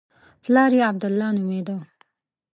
پلار یې عبدالله نومېده.